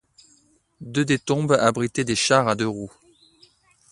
Deux des tombes abritaient des chars à deux roues.